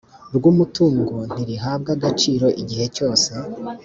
ry umutungo ntirihabwa agaciro igihe cyose